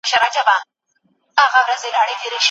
د لمانځه وروسته هغې په مینه لاسونه په مخ تېر کړل.